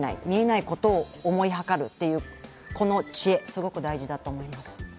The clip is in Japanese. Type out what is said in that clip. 見えないことを思いはかるという知恵、すごく大事だと思います。